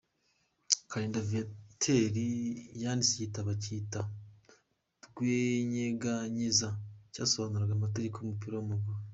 Kalinda Viateur yanditse igitabo akita “Rwanyeganyeze” cyasobanuraga amategeko y’umupira w’amaguru.